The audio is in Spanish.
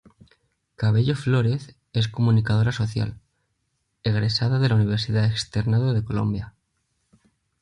Cabello Flórez es Comunicadora Social, egresada de la Universidad Externado de Colombia.